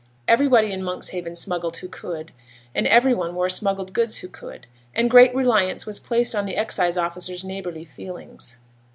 Everybody in Monkshaven smuggled who could, and every one wore smuggled goods who could, and great reliance was placed on the excise officer's neighbourly feelings.